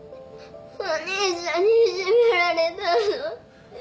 お兄ちゃんにいじめられたの？